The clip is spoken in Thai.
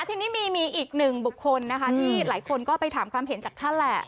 ทีนี้มีอีกหนึ่งบุคคลนะคะที่หลายคนก็ไปถามความเห็นจากท่านแหละ